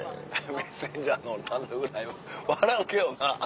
メッセンジャーの単独ライブ笑うけどなあ